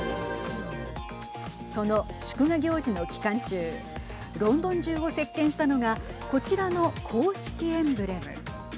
その祝賀行事の期間中ロンドン中を席巻したのがこちらの公式エンブレム。